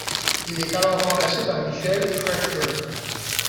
Il est alors remplacé par Michael Kretschmer.